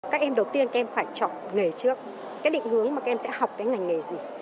các em đầu tiên các em phải chọn nghề trước cái định hướng mà các em sẽ học cái ngành nghề gì